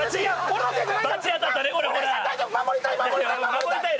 守りたい！